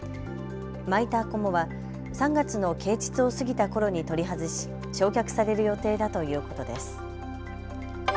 巻いたこもは３月の啓ちつを過ぎたころに取り外し、焼却される予定だということです。